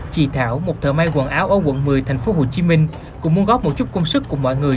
chị thảo một thợ may quần áo ở quận một mươi tp hcm cũng muốn góp một chút công sức cùng mọi người